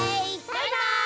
バイバイ！